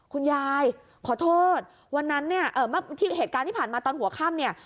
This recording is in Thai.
คุณยายขอโทษวันนั้นเนี่ยเมื่อเหตุการณ์ที่ผ่านมาตอนหัวค่ำเนี่ย